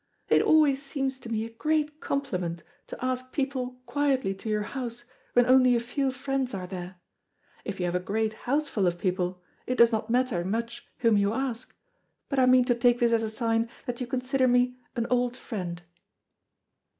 "It always seems to me a great compliment to ask people quietly to your house when only a few friends are there. If you have a great houseful of people, it does not matter much whom you ask, but I mean to take this as a sign that you consider me an old friend."